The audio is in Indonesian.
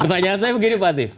pertanyaan saya begini pak atif